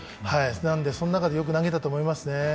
その中でよく投げたと思いますね。